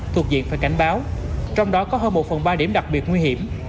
thuộc diện phải cảnh báo trong đó có hơn một phần ba điểm đặc biệt nguy hiểm